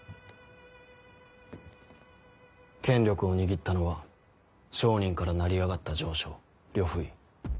権力を握ったのは商人から成り上がった丞相・呂不韋。